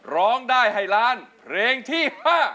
ร้องได้ให้ล้านเพลงที่๕